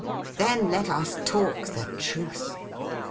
' Then, let us talk the truth.